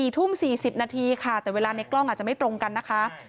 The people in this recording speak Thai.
๔ทุ่ม๔๐นาทีค่ะแต่เวลาในกล้องอาจจะไม่ตรงกันนะคะ